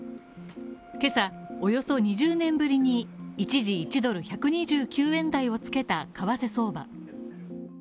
今朝、およそ２０年ぶりに一時１ドル＝１２９円台を付けた為替相場。